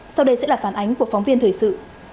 sau đây sẽ là phản ánh của phóng viên thời sự